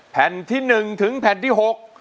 แผ่นที่๑ถึงแผ่นที่๖